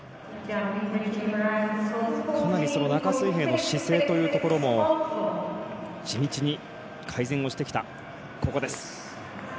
かなり中水平の姿勢というのも地道に改善をしてきた。